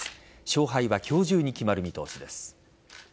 勝敗は今日中に決まる見通しです。